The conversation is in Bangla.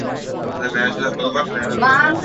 কী বলেন মহেন্দ্রবাবু।